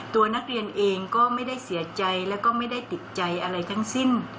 ตัวนักเรียนเองก็ไม่ได้เสียใจแล้วก็ไม่ได้ติดใจอะไรทั้งสิ้น